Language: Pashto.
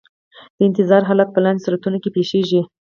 د انتظار حالت په لاندې صورتونو کې پیښیږي.